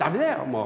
もう。